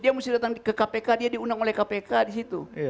dia mesti datang ke kpk dia diundang oleh kpk di situ